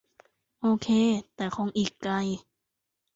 โอเค แต่คงอีกไกล